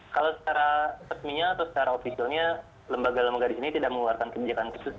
kalau secara resminya atau secara ofisialnya lembaga lembaga di sini tidak mengeluarkan kebijakan khusus